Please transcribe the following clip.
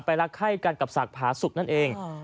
รักไข้กันกับศักดิ์ผาสุกนั่นเอง